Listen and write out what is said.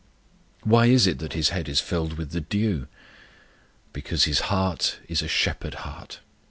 Why is it that His head is filled with the dew? Because His heart is a shepherd heart.